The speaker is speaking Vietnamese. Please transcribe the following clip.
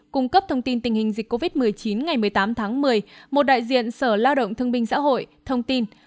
cung cấp thông tin tình hình dịch covid một mươi chín ngày một mươi tám tháng một mươi một đại diện sở lao động thương binh xã hội thông tin